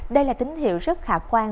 đây là tín hiệu rất khả khoan